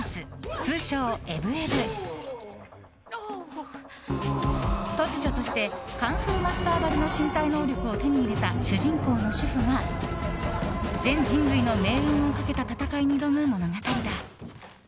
通称「エブエブ」。突如としてカンフーマスターばりの身体能力を手に入れた主人公の主婦が全人類の命運をかけた戦いに挑む物語だ。